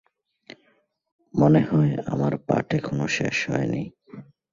মনে হয় আমার পাঠ এখনো শেষ হয়নি!